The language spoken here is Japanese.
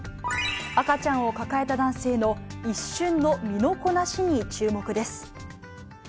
赤ちゃんを抱えた男性の、一瞬の身のこなしに注目です。